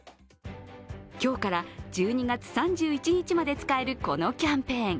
今日から１２月３１日まで使えるこのキャンペーン。